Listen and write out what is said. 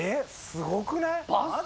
すごくない？